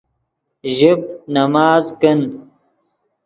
ژیب نماز کن